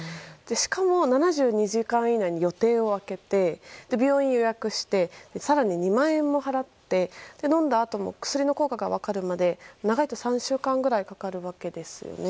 しかも７２時間以内に予定を空けて病院を予約して更に、２万円を払って飲んだあとも薬の効果が分かるまで長いと３週間ぐらいかかるわけですよね。